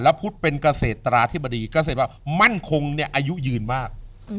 พุทธเป็นเกษตราธิบดีเกษตรว่ามั่นคงเนี่ยอายุยืนมาก